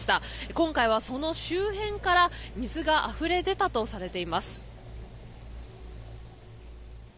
今回は、その周辺から水があふれ出たとされています。